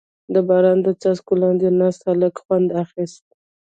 • د باران د څاڅکو لاندې ناست هلک خوند اخیست.